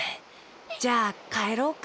じゃあかえろうか。